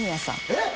えっ